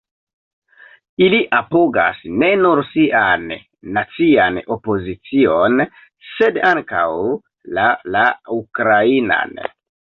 Ili apogas ne nur sian nacian opozicion sed ankaŭ la la ukrainan.